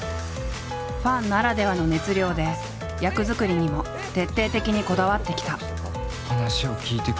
ファンならではの熱量で役作りにも徹底的にこだわってきた。